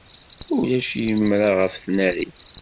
Ulac imra ɣef tnarit.